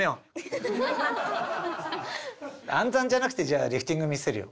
暗算じゃなくてじゃあリフティング見せるよ。